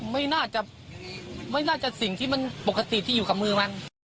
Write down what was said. ไม่น่าจะไม่น่าจะสิ่งที่มันปกติที่อยู่กับมือมัน